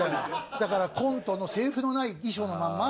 だからコントのセリフのない衣装のまんま